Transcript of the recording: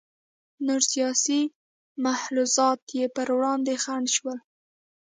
نور سیاسي ملحوظات یې پر وړاندې خنډ شول.